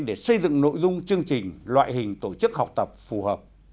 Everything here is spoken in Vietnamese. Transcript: để xây dựng nội dung chương trình loại hình tổ chức học tập phù hợp